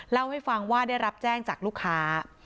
เล่าให้ฟังว่าได้รับแจ้งจากลูกค้า